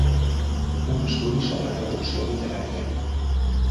Un estudi sobre traducció literària.